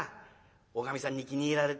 おかみさんに気に入られてる証拠だな。